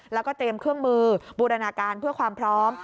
แล้วก็เตรียมเครื่องมือบูรณาการเพื่อความพร้อม